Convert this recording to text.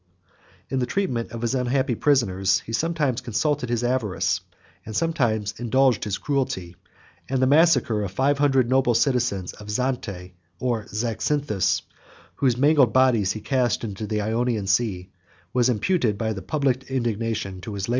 In the treatment of his unhappy prisoners, he sometimes consulted his avarice, and sometimes indulged his cruelty; and the massacre of five hundred noble citizens of Zant or Zacynthus, whose mangled bodies he cast into the Ionian Sea, was imputed, by the public indignation, to his latest posterity.